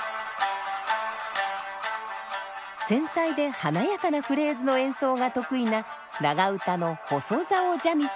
繊細で華やかなフレーズの演奏が得意な長唄の細棹三味線。